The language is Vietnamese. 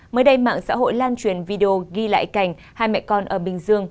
mới đây mạng xã hội lan truyền video ghi lại cảnh hai mẹ con ở bình dương